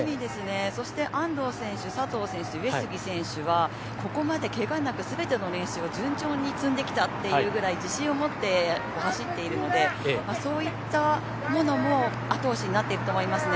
そして安藤選手、佐藤選手、上杉選手はここまで怪我なくすべての練習を順調に積んできたというくらい自信を持って走っているのでそういったものも後押しになっていると思いますね。